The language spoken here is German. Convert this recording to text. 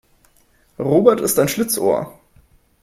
Robert ist ein Schlitzohr.